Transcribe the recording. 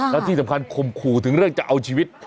แล้วที่สำคัญข่มขู่ถึงเรื่องจะเอาชีวิต